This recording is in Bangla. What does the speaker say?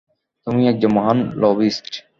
তুমি একজন মহান লবিস্ট।